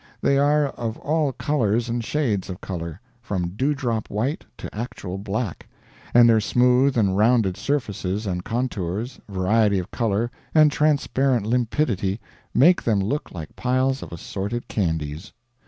They are of all colors and shades of color, from dewdrop white to actual black; and their smooth and rounded surfaces and contours, variety of color, and transparent limpidity make them look like piles of assorted candies.